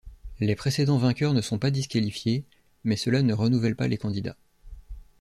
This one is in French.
Les précédents vainqueurs ne sont pas disqualifiés mais cela ne renouvelle pas les candidats.